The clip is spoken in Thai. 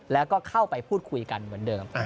แล้วก็เข้าไปพูดคุยกันเหมือนเดิม